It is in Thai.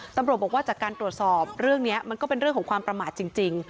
ตำรวจบอกว่าจากการตรวจสอบเรื่องนี้มันก็เป็นเรื่องของความประมาทจริง